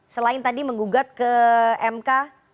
selain tadi menggugat ke mk